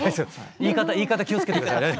言い方言い方気をつけて下さいね。